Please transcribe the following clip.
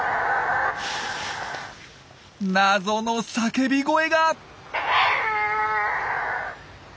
謎の叫び声が！